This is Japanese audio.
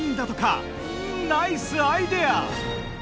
ナイスアイデア！